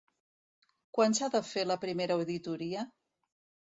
Quan s'ha de fer la primera auditoria?